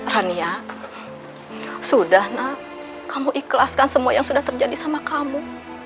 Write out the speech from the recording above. rania sudah nak kamu ikhlaskan semua yang sudah terjadi sama kamu